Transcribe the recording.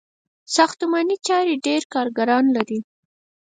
ساختماني چارې ډیر کارګران لري.